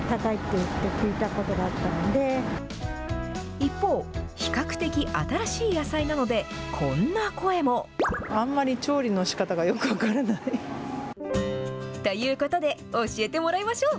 一方、比較的新しい野菜なので、こんな声も。ということで、教えてもらいましょう。